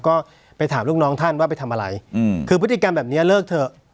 ก็ไปถามลูกน้องท่านว่าไปทำอะไรคือพฤติกรรมแบบนี้เลิกเถอะ